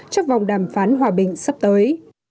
trong vòng đàm phán hòa bình sắp tới